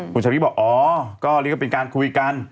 คุณชาวนี้บอกอ๋อนี่ก็เป็นการคุยกัน